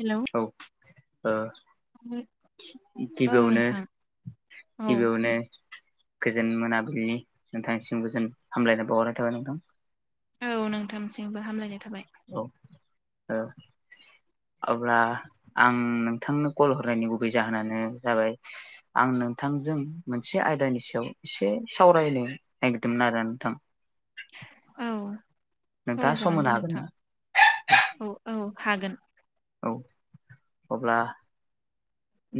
Hello औ ओ औ गिबियावनो नोंथां औ गिबियावनो गोजोन मोनाबिलिनि नोंथांनिसिम गोजोन हामलायनो बावहरनाय थाबाय नोंथां औ नोंथांसिंबो हामलायनाय थाबाय औ औ। अब्ला आं नोंथांनो कल हरनायनि गुबै जाहोनानो जाबाय आं नोंथांजों मोनसे आयदानि सायाव एसे सावरायनो नागिरदोंमोन आरो नोंथां औ नोंथाङा सम सरायजागोन होनो दे हागोन ना नोंथां औ औ। हागोन। औ अब्ला।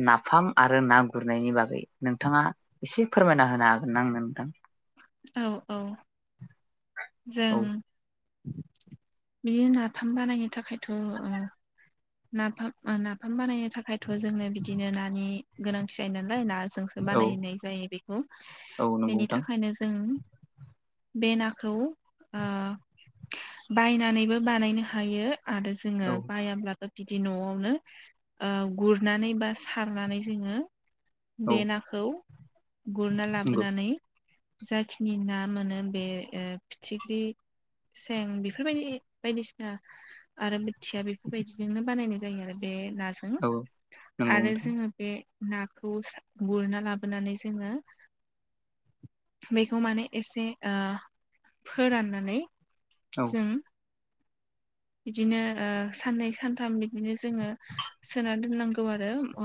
नाफाम आरो ना गुरनायनि बागै नोंथाङा एसे फोरमायना होनो हागोन आां नोंथां। औ औ औ जों। बिदि नाफाम बानायनो थाखायथ' नाफाम नाफाम बानायनो थाखायथ' जोंनो बिदिनो नानि गोनांथि जायो नाल लाय नााजोंसो औ बानायनाय जायो बेखौ औ नंगौ बेनि नोंथां थाखायनो जों बे नाखौ ओ बायनानैबो बानायनो हायो आरो जोङो औ बायाब्लाबो बिदि न'आवनो गुरनानै बा सारनानै जोङो औ बे नाखौ गुरना नंगौ लाबोनानै जाखिनि ना मोनो बे फिथिख्रि सें बेफोरबायदि बायदिसिना आरो बोथिया बेफोरबायदि जोंनो बानायनाय जायो आरो बे नाजों औ नंगौ आरो नोंथां जोङो बे नाखौ गुरना लाबोनानै जोङो बेखौ माने एसे ओ फोराननानै औ जों बिदिनो ओ साननै सानथाम बिदिनो जोङो सोना दोननांगौ आरो ओ।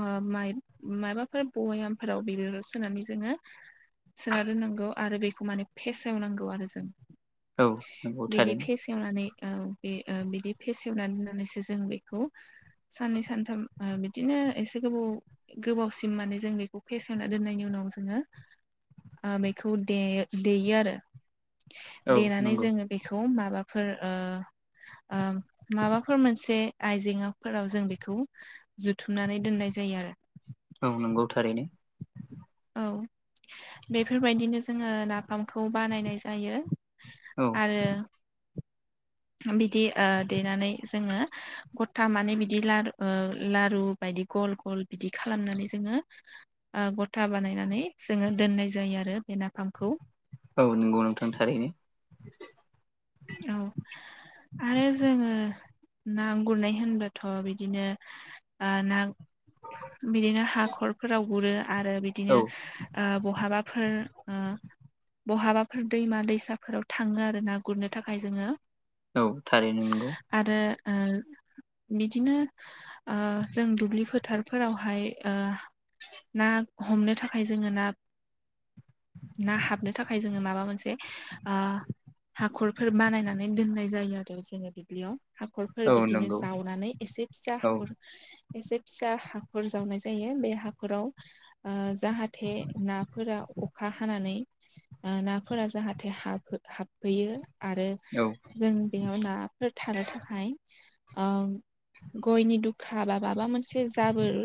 माबाफोर बयामफोराव बे सोनानै जोङो सोना दोननांगौ आरो बेखौ माने फेसेवनांगौ आरो जों औ नंगौ बेनि थारैनो फेस एवनानै बे बिदि फेसेवनानै होननानैसो जों बेखौ साननै सानथाम बिदिनो एसे गोबाव गोबावसिम माने जों बेखौ फेसनना दोननायनि उनाव जोङो ओ बेखौ देयो आरो औ देनानै नंगौ जोङो बेखौ माबाफोर ओ माबाफोर मोनसे आइजें फोराव जों बेखौ जुथुमनानै दोननाय जायो आरो औ नंगौ थारैनो। औ बेफोरबायदिनो जोङो नाफामखौ बानायनाय जायो। औ आरो बिदि ओ देनानै जोङो गथा माने बिदि लारु ओ लारु बाय बिदि गल गल बिदि खालामनानै जोङो गथा बानायनानै जोङो दोननाय जायो आरो बे नाफामखौ औ नंगौ नोंथां थारैनो औ आरो जोङो ना गुरनाय होनबाथ' बिदिनो बा ना बिदिनो हाखरफोराव गुरो आरो बिदिनो औ ओ बहाबाफोर ओ बहाबाफोर दैमा दैसाफोराव थाङो आरो ना गुरनो थाखाय जोङो औ थारैनो नंगौ। आरो ओ बिदिनो ओ जों दुब्लि फोथारफोरावहाय ना हमनो थाखाय जोङो ना ना हाबनो थाखाय जोङो माबा मोनसे ओ हाख'रफोर बानायनानै दोननाय जायो आरो जेरै दुब्लियाव हाखरफोर औ बिदिनो नंगौ जावनानै एसे फिसा औ हाखर एसे फिसा हाखर जावनाय जायो बे हाखराव ओ जाहाथे नाफोरा अखा हानानै नाफोरा जाहाथे हाब हाब फैयो आरो औ जों बेयाव नाफोर थानो थाखाय गयनि दुखा बा माबा मोनसे जाबोर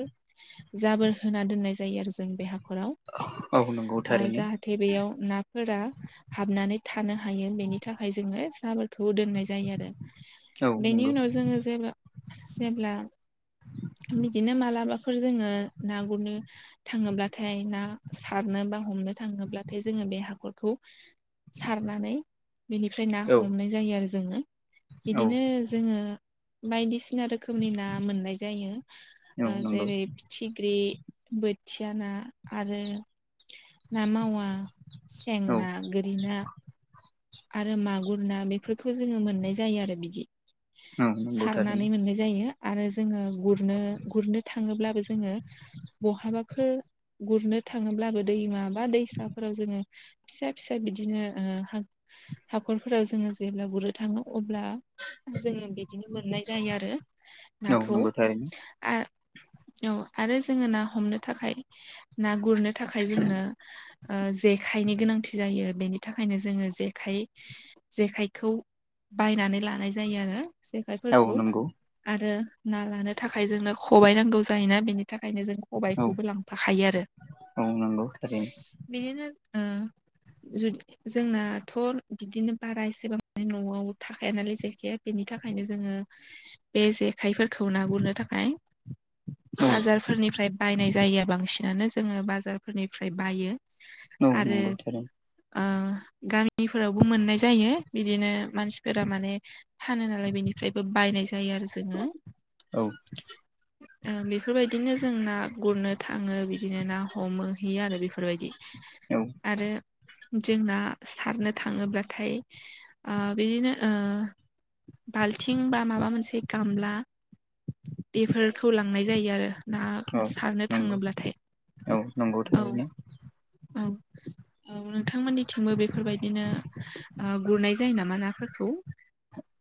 जाबोर होना दोननाय जायो आरो जों बे हा ख'राव औ नंगौ ओ थारैनो जाहाथे बेयाव नाफोरा हाबनानै थानो हायो बेनि थाखाय जोङो सा खौ दोननाय जायो आरो औ बेनि नंगौ उनाव जोङो जे जेब्ला आ बिदिनो मालाबा फोर जोङो ना गुरनो थाङोब्लाथाय ना सारनो बा हमनो थाङोब्लाथाय जोङो बे हाखरखौ सारनानै बेनिफ्राय ना औ हमनाय जायो आरो जोङो औ बिदिनो जोङो बायदिसिना ना रोखोमनि ना मोननाय जायो औ नंगौ जेरै फिथिग्रि बोथिया ना आरो ना मावा सें औ ना गोरि ना आरो मागुर ना बेफोरखौ जोङो मोननाय जायो आरो बिदि औ नंगौ थारैनो सारनानै मोननाय जायो। आरो जोङो गुरनो गुरनो थाङोब्लाबो जोङो बहाबाफोर गुरनो थाङोब्लाबो दैमा बा दैसाफोराव जोङो फिसा फिसा बिदिनो ओ हाख'रफोराव जोङो जेब्ला गुरनो थांङो अब्ला जोङो बिदिनो मोननाय जायो आरो औ नाखौ नंगौ थारैनो आरो औ आरो जोङो ना हमनो थाखाय ना गुरनो थाखाय जोंनो ओ जेखायनि गोनांथि जायो बेनि थाखायनो जोङो जेखाइ जेखाइखौ बायनानै लानाय जायो आरो औ जेखायफोरखौ नंगौ आरो ना लानो थाखाय जोंनो खबायाइ नांगौ जायोना बेनि थाखायनो जों औ सबायखौबो लांफाखायो आरो औ नंगौ थारैनो बिदिनो ओ जुदि जोंना थ' बिदिनो बारा एसेबां माने न'आव थाखाय नालाय जायखाया बेनि थाखायनो जोङो। बे जेखाइफोरखौ ना गुरनो थाखाय औ बाजारफोरनिफ्राय बायनाय जायो बांसिनानो जोङो बाजारफोरनिफ्राय बायो‌। औ नंगौ थार ओ गामिफोरावबो मोननाय जायो बिदिनो मानसिफोरा माने फानो नालाय बेनिफ्रायबो बायनाय जायो आरो जोङो। औ ओ बेफोरबायदिनो जों ना गुरनो थाङो बिदिनो ना हमोहैयो आरो बेफोरबायदि। औ आरो जोंना सारनो थाङोब्लाथाय बिदिनो ओ बाल्थिं बा माबा मोनसे गामला बेफोरखौ लांनाय जायो आरो। ना औ सारनो नंगौ थाङोब्लाथाय औ नंगौ औ थारैनो औ औ नोंथांमोननिथिंबो बेफोरबायदिनो ओ गुरनाय जायो नामा नाफोरखौ?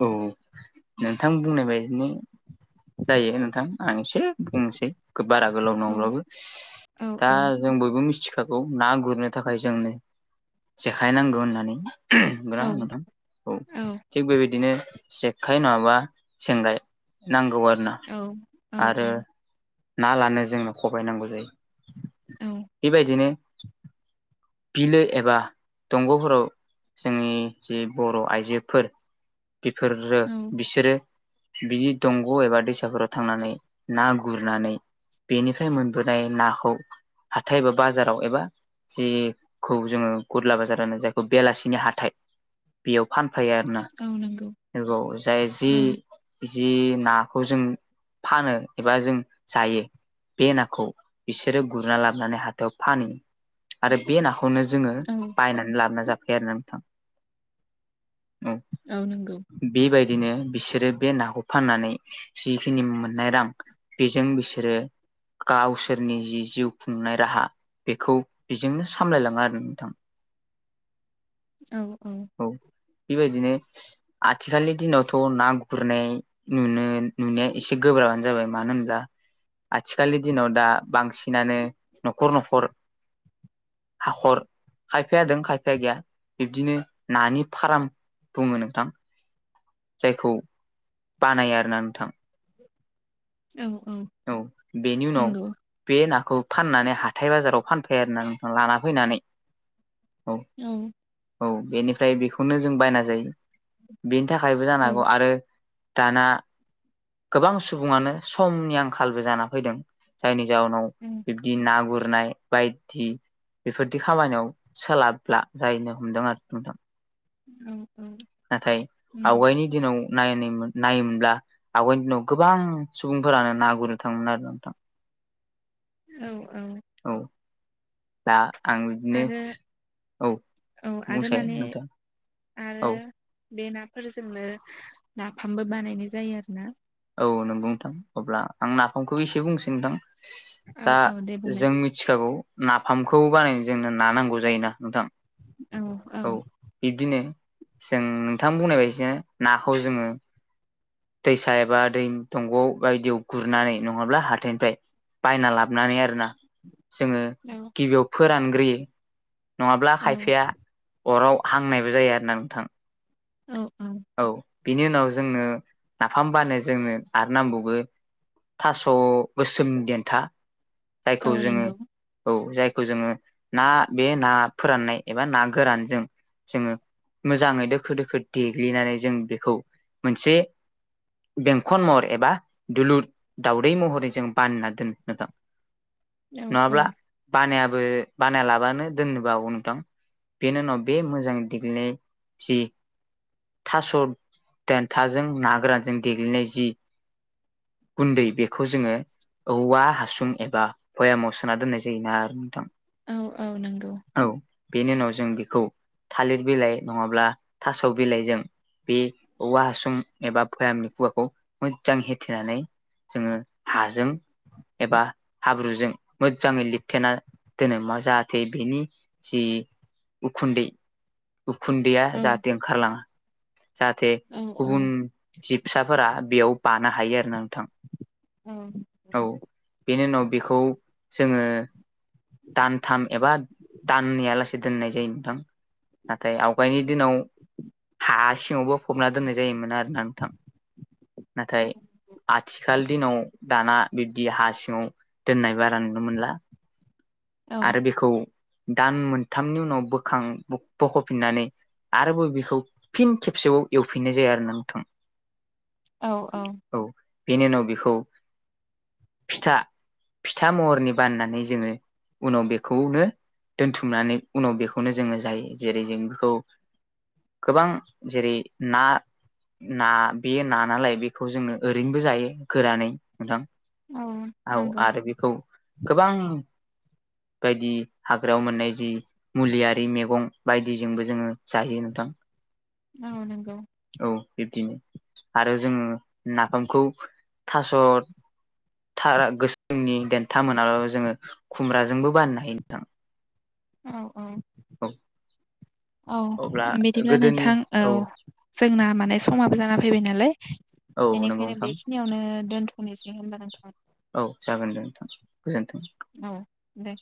औ नोंथां बुंनाय बायदिनो जायो नोंथां आं एसे बुंनोसै बारा गोलाव औ नङब्लाबो औ दा औ जों बयबो मिथि खागौ ना गुरनो थाखाय जोंनो जेखाय नांगौ होननानै नोंगौना औ नोंथां औ थिग बेबायदिनो जखाय नङाबा सेंगाय नां औ औ औ। ना लानो जोंनो खबाय नांगौ जायो। औ बेबायदिनो बिलो एबा दंग'फोराव जोंनि जि बर' आइजोफोर बेफोरो औ बिसोरो बिनि दंग' एबा दैसाफोराव थांनानै ना गुरनानै बेनिफ्राय मोनबोनाय नाखौ हाथायबा बाजाराव एबा जि खौ जोङो गुरला बाजार होनानो जायखौ बेलासिनि हाथाय बेयाव फान फोयो आरोना औ नंगौ बाव जाय जि औ जि नाखौ जों फानो एबा जों जायो बे नाखौ बिसोरो गुरना लाबोनानै हाथायाव फानो बे नाखौनो जोङो औ बायनानै लाबोना जाफैयो आरोना नोंथां। औ नोंगौ। बिदिनो बिसोरो बे नाखौ फाननानै जिखिनि मोननाय रां बेजों बिसोरो गावसोरनि जि जिउ खुंनाय राहा बेखौ बेजोंनो सामलायलाङो आरो नोंथां। औ औ बेबायदिनो आथिखालनि दिनावथ' ना गुरनाय नुनो नुनाया एसे गोब्राब बानो जाबाय मानो होम्ब्ला आथिखालनि दिनाव दा बांसिनानो न'खर न'खर हाखर खायफाया जादों खायफाया गैया बिब्दिनो नानि फार्म बुङो नोंथां। जायखौ बानायो आरोना नोंथां। औ औ बेनि उनाव नंगौ बे ना खौ फाननानै हाथाय बाजाराव फानफै आरो ना लाना फैनानै औ। औ बेनिफ्राय बेखौनो जों बायना जायो बेनि थाखायबो जानो औ हागौ आरो दाना गोबां सुबुङानो समनि आंखालबो जाना फैदों जायनि जाउनाव बिबदि ना गुरनाय बायदि बेफोरदि खामानियाव सोलाबब्ला जाहैनो हमदों आरो नोंथां। औ। नाथाय नंगौ आवगायनि दिनाव नायनानमोन नायोमोनब्ला आवगयनि दिनाव गोबां सुबुंफोरानो ना गुरनो थाङोमोन आरो ना नोंथां औ औ औ दा आं बिदिनो आरो औ औ आरो बुंसाय माने नोंथां आरो औ बे नाफोरजोंनो नाफामबो बानायनाय जायो आरो ना औ नोंगौ नोंथां अब्ला आं नाफामखौ एसे बुंसै नोंथां औ दा औ दे बुंलाय जों मिथिखागौ नाफामखौ बानायनो जोंनो ना नांगौ जायोना नोंथां औ बिब्दिनो जों नोंथां बुंनाय बायदिनो नाखौ जोङो दैसा एबा दै दंग बायदियाव गुरनानै नङाब्ला हाथायनिफ्राय बायना लाबोनानै आरोना जोङो औ गिबियाव फोरानग्रोयो नङाब्ला औ खायफाया अराव हांनायबो जायो आरो ना नोंथां औ औ बिनि उनाव जोंनो नाफाम बाननो जोंनो आरो नांबावगो थास गोसोम देन्था जायखौ औ जोङो नंगौ औ जाय खौ जोङो ना बे ना फोराननाय एबा ना गोरानजों जोङो मोजाङै दोखो दोखो देग्लिनानै जों बेखौ मोनसे बेंखन महर एबा दुलुर दावदै महरै जों बानना दोननो नोंथां औ औ नङाब्ला बानायाबो बानायालाबानो दोननोबोहागौ नोंथां बेनि उनाव बे मोजां दिग्लिनाय जि थास देन्थाजों ना गोरानजों देग्लिनाय जि गुन्दै बेखौ जोङो औवा हासुं एबा भयामाव सोना दोननाय जायोना आरो नोंथां औ औ नोंगौ औ बेनि उनाव जों बिखौ थालिर बिलाइ नङाब्ला थास बिलाइजों बे औवा हासुं एबा भयामनि खुगाखौ मोजां होेथेनानै जोङो हाजों एबा हाब्रुजों मोजाङै लिरथेना दोनो मा जाहाथे बेनि जि उखुन्दै उखुन्दैया औ जाह लाङा जाहाथे औ गुबुन जिबसाफोरा बेयाव बानो हायो आरो ना नोंथां औ औ बेनि उनाव बेखौ जोङो दानथाम एबा दाननैयालासे दोननाय जायो नोंथां नाथाय आवगायनि दिनाव हा सिङावबो फबना दोननाय जायोमोन आरो ना नोंथां नाथाय आथिखाल दिनाव दाना बिब्दि हा सिङाव दोननाय बारा नुनो मोनला औ आरो बेखौ दान मोनथामनि उनाव बोखां बोख फिननानै आरोबाव बेखौ फिन खेबसेबाव एवफिननाय जायो आरो ना नोंथां औ औ बेनि उनाव बेखौ फिथा फिथा महरनि बाननानै जोङो उनाव बेखौनो दोनथुमनानै उनाव बेखौनो जोङो जायो जेरै जों बेखौ गोबां जेरै ना ना बेयो ना नालाय बेखौ जोङो ओरैनोबो जायो गोरानै नोंथां औ औ नंगौ आरो बेखौ गोबां बायदि हाग्रायाव मोननाय जि मुलियारि मैगं बायदिजोंबो जोङो जायो नोंथां। औ नंगौ औ बिब्दिनो आरो जोङो नाफामखौ थास' था गोसोमनि देन्था मोनाबाबो जोङो खुमब्राजोंबो बानायनो नोंथां। औ औ औ औ अब्ला बिदिब्ला गोदोनि नोंथां औ जोंना माने समाबो जाना फैबाय नालाय औ नंगौ बेनिखायनो नोंथां बेखिनियावनो दोनथ'नोसै होनबा नोंथां। औ जागोन दे नोंथां गोजोन्थों। औ दे।